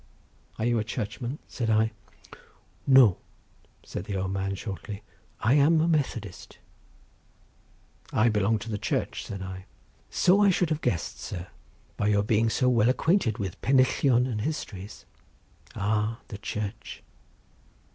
"Are you a Churchman?" said I. "No," said the old man, shortly; "I am a Methodist." "I belong to the Church," said I. "So I should have guessed, sir, by your being so well acquainted with pennillion and histories. Ah, the Church.